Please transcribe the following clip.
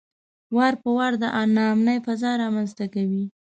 وار په وار د ناامنۍ فضا رامنځته کوي.